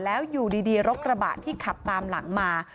แล้วอยู่ดีรถกระบะที่ขับตามหลังมา